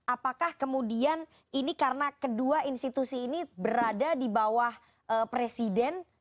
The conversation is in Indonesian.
apakah kemudian ini karena kedua institusi ini berada di bawah presiden